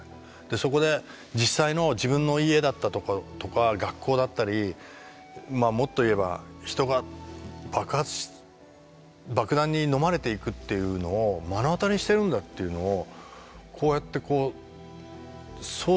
そこで実際の自分の家だったとことか学校だったりまあもっと言えば人が爆発爆弾にのまれていくっていうのを目の当たりにしてるんだっていうのをこうやって想像しちゃったんだよね。